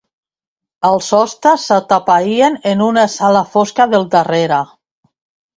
Els hostes s'atapeïen en una sala fosca del darrere